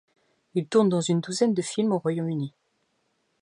Il tourne dans une douzaine de films au Royaume-Uni.